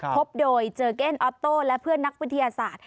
พบโดยเจอเก้นออโต้และเพื่อนนักวิทยาศาสตร์